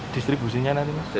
distribusinya nanti mas